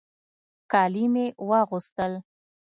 کالي مې واغوستل.